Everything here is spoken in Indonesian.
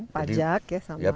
pajak ya sama